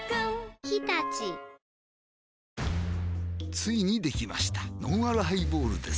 ついにできましたのんあるハイボールです